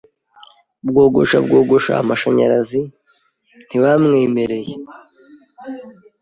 bwogosha bwogosha amashanyarazi ntabimwemereye.